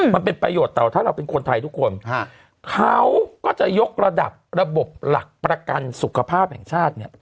มันเป็นประโยชน์ต่อถ้าเราเป็นคนไทยทุกคนเขาก็จะยกระดับระบบหลักประกันสุขภาพแห่งชาติเนี่ย